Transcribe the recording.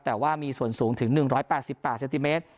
แต่ว่ามีส่วนสูงถึง๑๘๘เซนติเมตร